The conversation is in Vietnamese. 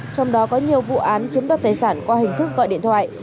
trong đó có nhiều vụ án chiếm đoạt tài sản qua hình thức gọi điện thoại